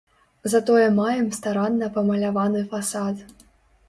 Затое маем старанна памаляваны фасад.